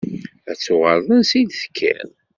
Ad tuɣaleḍ ansa i d-tekkiḍ.